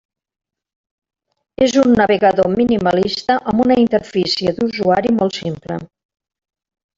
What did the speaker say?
És un navegador minimalista amb una interfície d'usuari molt simple.